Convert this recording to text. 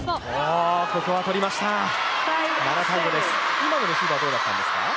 今のレシーブはどうだったんですか？